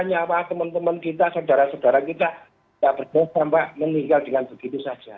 ternyata temen temen kita saudara saudara kita tak berdosa mbak meninggal dengan begitu saja